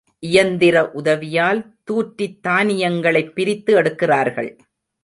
இயந்திர உதவியால் தூற்றித் தானியங்களைப் பிரித்து எடுக்கிறார்கள்.